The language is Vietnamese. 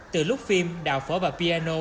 từ lúc phim đào phở và piano